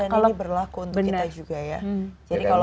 dan ini berlaku untuk kita juga ya